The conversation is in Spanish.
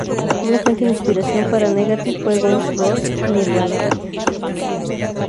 Una fuente de inspiración para Negative fue Guns n' Roses y Nirvana.